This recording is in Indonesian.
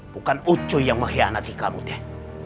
bukan ucuy yang mengkhianati kamu deh